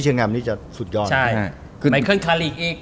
เพราะแมลิเยาเขาต้องการ